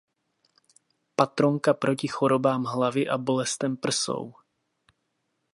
Patronka proti chorobám hlavy a bolestem prsou.